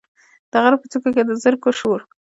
د غره په څوکو کې، د زرکو شور،